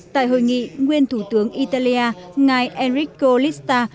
tại hội nghị nguyên thủ tướng italia ngài enrico litta